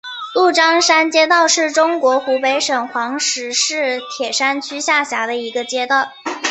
鹿獐山街道是中国湖北省黄石市铁山区下辖的一个街道。